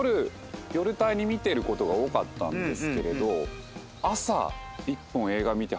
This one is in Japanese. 夜帯に見てることが多かったんですけれど。